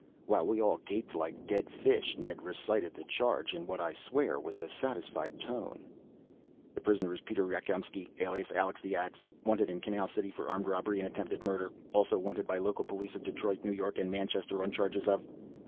While we all gaped like dead fish, Ned recited the charge in what I swear was a satisfied tone. "The prisoner is Peter Rakjomskj, alias Alex the Axe, wanted in Canal City for armed robbery and attempted murder. Also wanted by local police of Detroit, New York and Manchester on charges of